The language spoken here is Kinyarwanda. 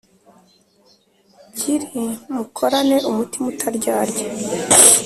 Kl mukorane umutima utaryarya